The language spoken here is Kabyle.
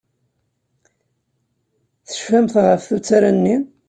Tecfamt ɣef tuttra-nni?